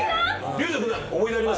流星君思い出あります？